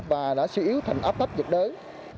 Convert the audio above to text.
và đã suy yếu thành áp thấp nhiệt đới